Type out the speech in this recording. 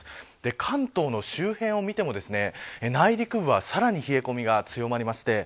関東の周辺を見ても内陸部はさらに冷え込みが強まります。